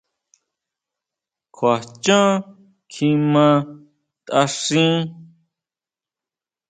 ¿Kjua xhán kjimá taáxin?